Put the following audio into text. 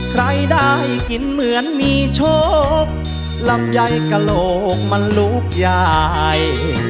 ใครได้กินเหมือนมีโชคลำไยกระโหลกมันลูกใหญ่